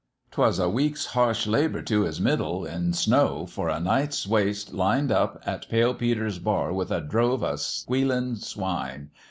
'Twas a week's harsh labour to his middle in snow for a night's waste lined up at Pale Peter's bar with a drove o' squealin' swine.